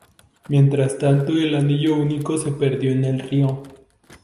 Mientras tanto el Anillo Único se perdió en el río.